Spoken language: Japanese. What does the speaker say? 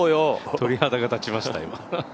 鳥肌が立ちました、今。